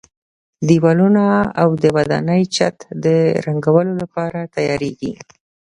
دېوالونه او د ودانۍ چت د رنګولو لپاره تیاریږي.